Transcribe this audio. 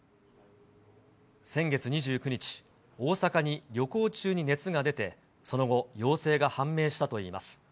先月２９日、大阪に旅行中に熱が出てその後、陽性が判明したといいます。